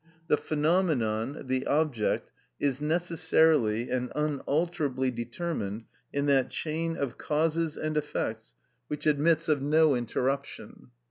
The phenomenon, the object, is necessarily and unalterably determined in that chain of causes and effects which admits of no interruption.